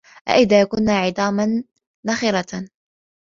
أَإِذا كُنّا عِظامًا نَخِرَةً